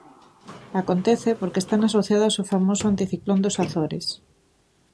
Acontece porque "están asociadas ao famoso Anticiclón dos Azores".